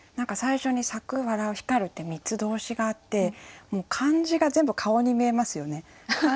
最初に「咲く笑う光る」って３つ動詞があってもう漢字が全部顔に見えますよね。